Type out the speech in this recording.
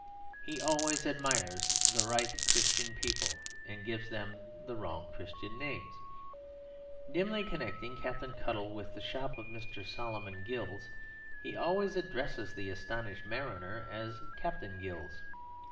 He always admires the right Christian people, and gives them the wrong Christian names. Dimly connecting Captain Cuttle with the shop of Mr. Solomon Gills, he always addresses the astonished mariner as "Captain Gills."